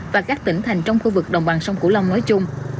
và các tỉnh thành trong khu vực đồng bằng sông cửu long nói chung